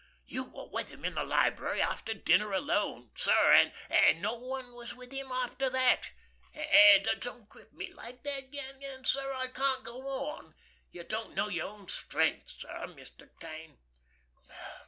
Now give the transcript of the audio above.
You were with him in the library after dinner alone, sir; and no one was with him after that, and—don't grip me again like that, sir, or I can't go on. You don't know your own strength, sir, Mr. Kane."